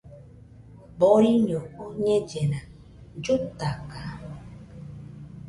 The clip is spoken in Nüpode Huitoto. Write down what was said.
Boriño oñellena, llutaka